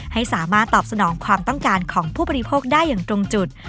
ให้สามารถตอบสนองความต้องการของผู้บริโภคได้อย่างตรงจุด